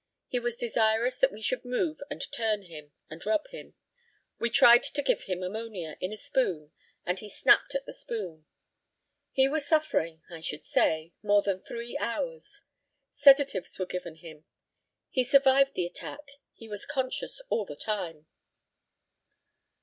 He was desirous that we should move and turn him, and rub him. We tried to give him ammonia, in a spoon, and he snapped at the spoon. He was suffering, I should say, more than three hours. Sedatives were given him. He survived the attack. He was conscious all the time.